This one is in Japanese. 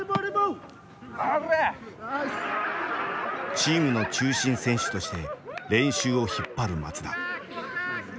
チームの中心選手として練習を引っ張る松田。